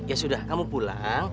ya sudah kamu pulang